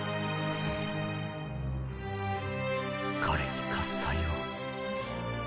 彼に喝采を。